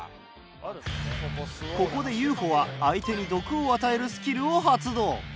ここでゆーふぉは相手に毒を与えるスキルを発動。